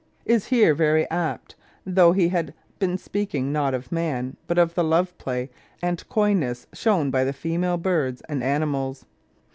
314) is here very apt, though he had been speaking not of man, but of the love play and coyness shown by female birds and animals.